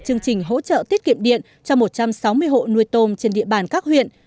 chương trình hỗ trợ tiết kiệm điện cho một trăm sáu mươi hộ nuôi tôm trên địa bàn các huyện